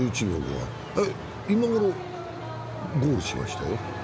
今頃ゴールしましたよ。